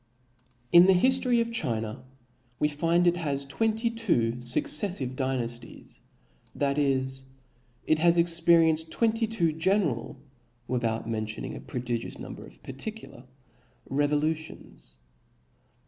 TN the hiftory of China we find it has had twenty •*• two fucceflive Dynafties, that is, it has experi enced twenty two general, without mentioning a prodigious number of particular, revolutions.